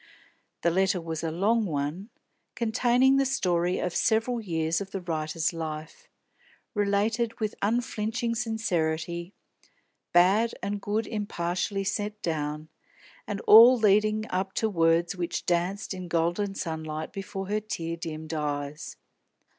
The letter was a long one, containing the story of several years of the writer's life, related with unflinching sincerity, bad and good impartially set down, and all leading up to words which danced in golden sunlight before her tear dimmed eyes.